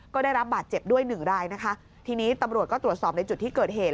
ก็ได้รับบาดเจ็บด้วยหนึ่งรายนะคะทีนี้ตำรวจก็ตรวจสอบในจุดที่เกิดเหตุ